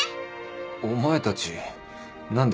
お前たち何で。